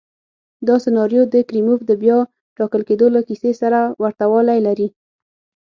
دا سناریو د کریموف د بیا ټاکل کېدو له کیسې سره ورته والی لري.